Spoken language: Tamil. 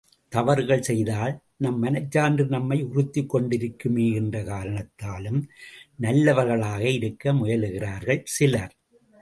தவறுகள் செய்தால் நம் மனச்சான்று நம்மை உறுத்திக் கொண்டிருக்குமே என்ற காரணத்தாலும் நல்லவர்களாக இருக்க முயலுகிறார்கள் சிலர்.